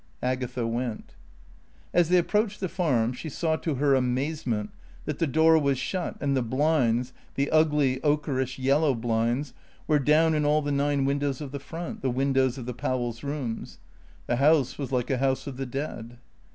Agatha went. As they approached the Farm she saw to her amazement that the door was shut and the blinds, the ugly, ochreish yellow blinds, were down in all the nine windows of the front, the windows of the Powell's rooms. The house was like a house of the dead.